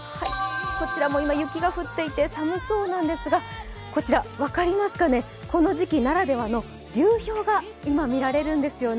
こちらも今、雪が降っていて寒そうなんですが、こちら分かりますかね、この時期ならではの流氷が今、見られるんですよね。